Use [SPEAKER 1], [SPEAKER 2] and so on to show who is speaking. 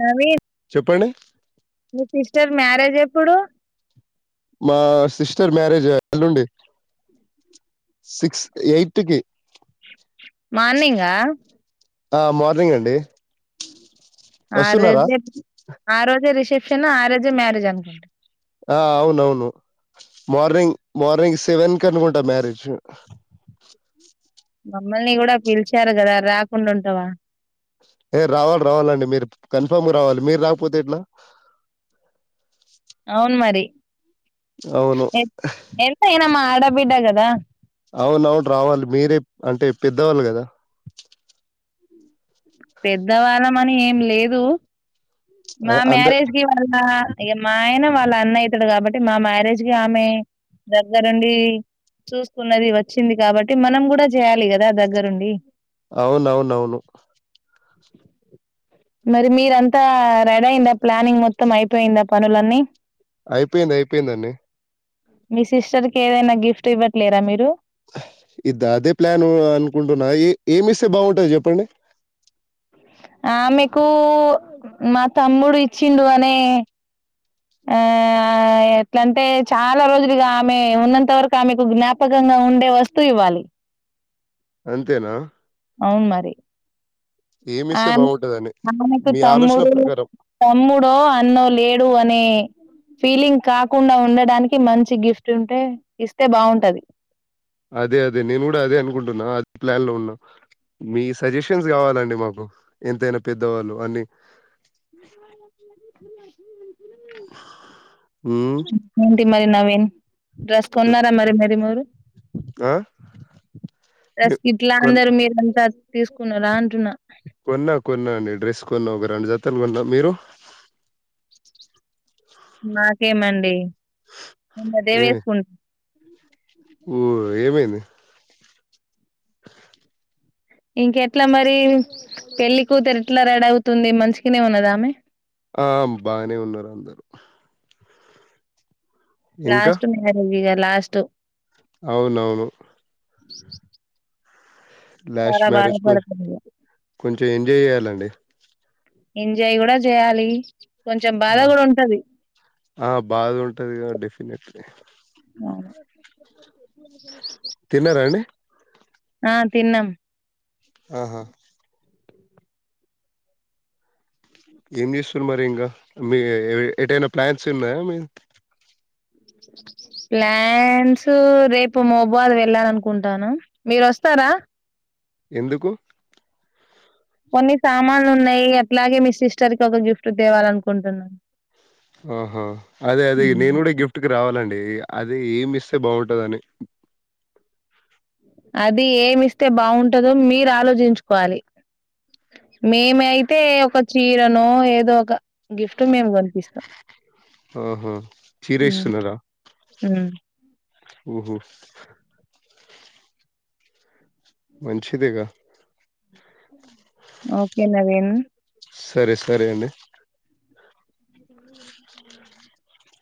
[SPEAKER 1] నవీన్
[SPEAKER 2] చెప్పండి
[SPEAKER 1] మీ sister marriage ఎప్పుడు
[SPEAKER 2] మా సిస్టర్ మ్యారేజ ఎల్లుండి సిక్స్ ఎయిట్కి
[SPEAKER 1] మార్నింగా
[SPEAKER 2] ఆ మార్నింగ్ అండి
[SPEAKER 1] ఆ
[SPEAKER 2] వస్తున్నారా
[SPEAKER 1] రోజే ఆ రోజే రిసెప్షన్ ఆ రోజే మ్యారేజ్ అనుకొంట
[SPEAKER 2] ఆ అవునవును మార్నింగ్, మార్నింగ్ సెవెన్ కనుకుంటా. మ్యారేజ్
[SPEAKER 1] మమ్మల్ని గుడా పిలిచారు గదా రాకుండుంటామా!
[SPEAKER 2] ఏ రావాలి, రావాలండి మీరు కన్ఫామ్ రావాలి. మీరు రాకపోతే ఎట్లా?
[SPEAKER 1] అవున్ మరి
[SPEAKER 2] అవును
[SPEAKER 1] ఎ ఎంతైనా మా ఆడ బిడ్డ గదా!
[SPEAKER 2] అవునవును రావాలి మీరే అంటే పెద్దవాళ్ళు గదా
[SPEAKER 1] పెద్దవాళ్ల మని ఏం లేదు,
[SPEAKER 2] ఆ,
[SPEAKER 1] మా
[SPEAKER 2] అంద
[SPEAKER 1] మ్యారేజ్ కి వాళ్ల ఇగ మా ఆయన వాళ్ళ అన్న అయితాడు కాబట్టి, మా మ్యారేజ్కి ఆమె దగ్గరుండి. చూసుకున్నది. వచ్చింది కాబట్టి మనం కూడా చేయ్యాలి కదా! దగ్గరుండి.
[SPEAKER 2] అవునవునవును
[SPEAKER 1] మరి మీరంతా రడయిందా ప్లానింగ్ మొత్తం అయిపోయిందా పనులన్నీ
[SPEAKER 2] అయిపోయింది అయిపోయిందండి
[SPEAKER 1] మీ సిస్టర్కి ఏదైనా గిఫ్ట్ ఇవ్వట్లేరా మీరు
[SPEAKER 2] ఇదదే ప్లాను, అనుకుంటున్నా ఏ ఏమిసే బాగుంటది జెప్పండి.
[SPEAKER 1] ఆమెకు మా తమ్ముడు ఇచ్చిండు అనే ఆ ఎట్లాంటే, చాలా రోజులుగా ఆమె ఉన్నంత వరకు ఆమెకు జ్ఞాపక. కంగా ఉండే వస్తువు ఇవ్వాలి
[SPEAKER 2] అంతేనా
[SPEAKER 1] అవును మరి
[SPEAKER 2] ఏమి సే
[SPEAKER 1] ఆమె
[SPEAKER 2] బాగుంటదండి
[SPEAKER 1] ఆమెకు తమ్ముడు తమ్ముడో అన్నో లేడు అనే ఫీలింగ్ కాకుండా, ఉండడానికి మంచి గిఫ్ట్ ఉంటే ఇస్తే బావుంటది.
[SPEAKER 2] అదే అదే నేను గుడా అదే అనుకుంటున్నా అద్ ప్లాన్ లో ఉన్నా మీ సజెషన్స్ కావాలండి మాకు, ఎంతైనా పెద్దవాళ్ళు అన్ని. హ్మ్.
[SPEAKER 1] [unintelligible] ఏంటి మరి నవీన్ డ్రెస్
[SPEAKER 2] చెప్
[SPEAKER 1] కొన్నారా మరి మరి మీరు
[SPEAKER 2] ఆ! మి
[SPEAKER 1] డ్రెస్ గి ట్లా
[SPEAKER 2] కొన్
[SPEAKER 1] అందరు మీరంతా తీసుకున్నారా అంటున్న
[SPEAKER 2] తెలుగోళ్ళ మీరు
[SPEAKER 1] మాకేమండి మే అదే వేసుకుంటా
[SPEAKER 2] ఊ ఏమైంది [inaudible]
[SPEAKER 1] ఇంకెట్లా మరి పెళ్లి కూతురి ఎట్లా రెడవుతుంది మంచిగానే ఉన్నదామె
[SPEAKER 2] ఆ బాగానే ఉన్నరు అందరు ఇంకా?
[SPEAKER 1] లాస్ట్ మ్యారేజ్ ఇగా లాస్ట్
[SPEAKER 2] అవునవును
[SPEAKER 1] [inaudible]
[SPEAKER 2] లాస్ట్
[SPEAKER 1] చాలా
[SPEAKER 2] మ్యారేజ్
[SPEAKER 1] బాధపడుతుంది ఇగ
[SPEAKER 2] కొంచెం ఎంజాయ్ చేయాలండి
[SPEAKER 1] ఎంజాయ్ గుడా జేయాలి
[SPEAKER 2] ఆ ఆ బాగా ఉంటది కదా డెఫినెట్లీ
[SPEAKER 1] నా [inaudible]
[SPEAKER 2] తిన్నారాండి
[SPEAKER 1] ఆ తిన్నం
[SPEAKER 2] ఆహా ఏం చేస్తుర్రు మరి ఇంకా మీ ఎటైనా ప్లాన్స్ ఉన్నాయా మీ
[SPEAKER 1] [inaudible] ప్లాన్స్ రేపు మహాబాద్ వెళ్ళాల అనుకుంటాన మీరు వస్తారా
[SPEAKER 2] ఎందుకు
[SPEAKER 1] కొన్ని సామాన్లు ఉన్నాయి అట్లాగే మీ సిస్టర్ కి ఒక గిఫ్ట్ తేవాలనుకుంటున్నా
[SPEAKER 2] ఆహ అదే అదే నేను కూడా గిఫ్ట్ కి రావాలండి అది ఏమి ఇస్తే బాగుంటదని
[SPEAKER 1] అది ఏమి ఇస్తే బాగుంటదో మీరు ఆలోచించుకోవాలి మేమైతే ఒక చీరనో ఏదో ఒక గిఫ్ట్ మేము కొనిపిస్తాం
[SPEAKER 2] ఆహా చీర
[SPEAKER 1] హ్మ్
[SPEAKER 2] ఇస్తున్నారా
[SPEAKER 1] హ్మ్
[SPEAKER 2] మంచిదేగ
[SPEAKER 1] ఓకే నవీన్
[SPEAKER 2] సరే సరే అండి
[SPEAKER 1] అ [inaudible]